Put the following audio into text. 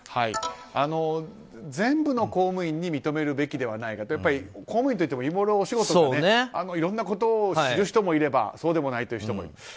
全部の公務員に認めるべきではないが公務員といっても日ごろいろんなことを知る人もいればそうでもないという人もいる。